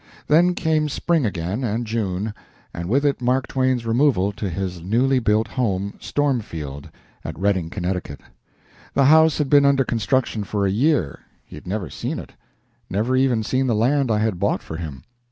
Then came spring again, and June, and with it Mark Twain's removal to his newly built home, "Stormfield," at Redding, Connecticut. The house had been under construction for a year. He had never seen it never even seen the land I had bought for him.